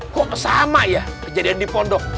kok sama ya kejadian di pondok